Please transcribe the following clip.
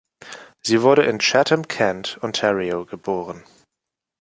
Sie wurde in Chatham-Kent, Ontario, geboren.